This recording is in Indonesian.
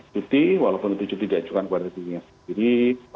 cuti walaupun itu cuti diajukan kepada dirinya sendiri